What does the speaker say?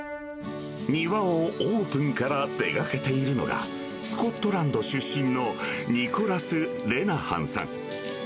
庭をオープンから手がけているのが、スコットランド出身のニコラス・レナハンさん。